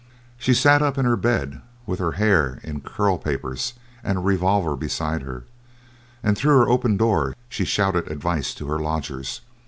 She sat up in her bed with her hair in curl papers and a revolver beside her, and through her open door shouted advice to her lodgers.